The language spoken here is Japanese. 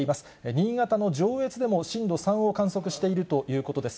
新潟の上越でも震度３を観測しているということです。